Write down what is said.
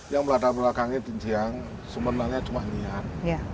yang melatar belakangnya tinsiang sebenarnya cuma niat